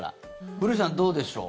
古市さん、どうでしょう。